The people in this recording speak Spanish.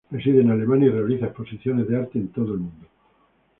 Reside en Alemania, y realiza exposiciones de arte en todo el mundo.